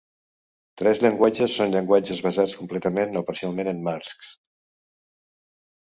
Tres llenguatges són llenguatges basats completament o parcialment en marcs.